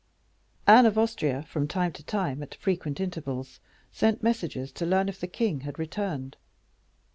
Anne of Austria, from time to time at frequent intervals, sent messages to learn if the king had returned.